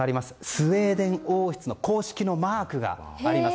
スウェーデン王室の公式のマークが入っています。